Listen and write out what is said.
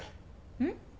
うん？